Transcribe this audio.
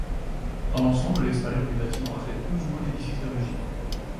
Dans l'ensemble, l'extérieur du bâtiment reflète plus ou moins l'édifice d'origine.